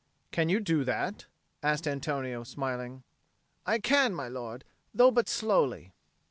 "Can you do that?" asked Antonio, smiling. "I can, my lord, though but slowly."